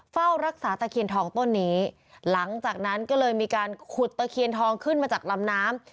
เฝ้ารักษาตะเคียนทองต้นนี้หลังจากนั้นก็เลยมีการขุดตะเคียนทองขึ้นมาจากลำน้ำ